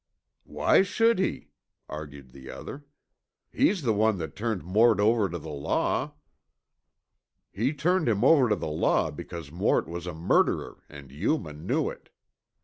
"Why should he?" argued the other. "He's the one that turned Mort over to the law." "He turned him over to the law, because Mort was a murderer and Yuma knew it.